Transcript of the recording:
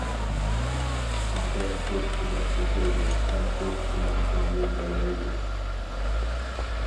ئادەم دوست بىلەن كۆكلەيدۇ ھەم دوست بىلەن كۆڭلى يايرايدۇ.